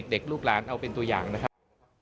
ลูกหลานเอาเป็นตัวอย่างนะครับ